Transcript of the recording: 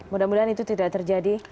mudah mudahan itu tidak terjadi